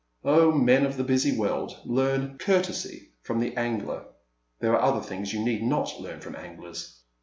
Oh men of the busy world, learn courtesy from the angler ! There are other things you need not learn from anglers.